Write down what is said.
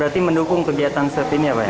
berarti mendukung kegiatan swab ini ya pak